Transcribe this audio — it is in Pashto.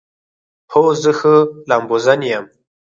هو، زه ښه لامبوزن یم